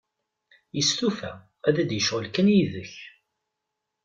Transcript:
Yestufa, ad d-yecɣel kan yid-k.